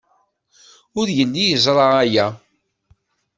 Ur yelli yeẓra aya.